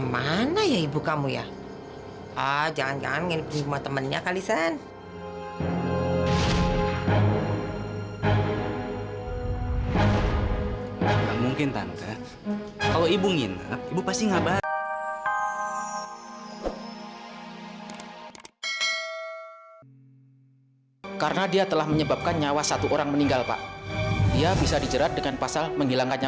mainkan gamenya dapetin plusnya